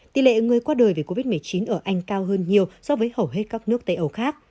tỷ lệ người qua đời vì covid một mươi chín ở anh cao hơn nhiều so với hầu hết các nước tây âu khác